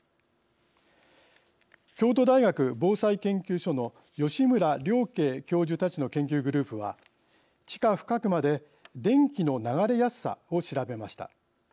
京都大学防災研究所の吉村令慧教授たちの研究グループは地下深くまで電気の流れやすさを調べました。